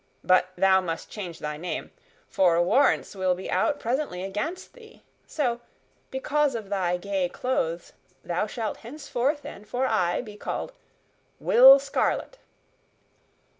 But thou must change thy name, for warrants will be out presently against thee; so, because of thy gay clothes, thou shalt henceforth and for aye be called Will Scarlet."